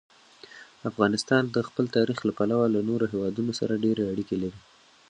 افغانستان د خپل تاریخ له پلوه له نورو هېوادونو سره ډېرې اړیکې لري.